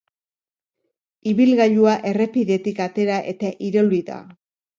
Ibilgailua errepidetik atera eta irauli da.